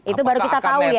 itu baru kita tahu ya